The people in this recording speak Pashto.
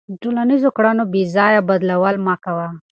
د ټولنیزو کړنو بېځایه بدلول مه کوه.